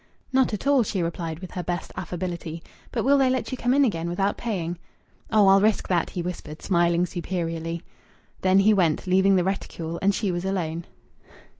"Not at all!" she replied, with her best affability. "But will they let you come in again without paying?" "Oh, I'll risk that," he whispered, smiling superiorly. Then he went, leaving the reticule, and she was alone.